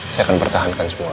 saya akan pertahankan semuanya